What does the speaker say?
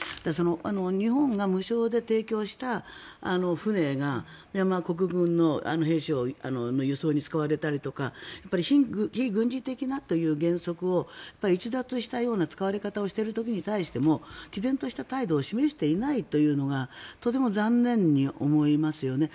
日本が無償で提供した船がミャンマー国軍の兵士の輸送に使われたりとか非軍事的なという原則を逸脱したような使われ方をしている時にもきぜんとした態度を示していないというのがとても残念に思いますよね。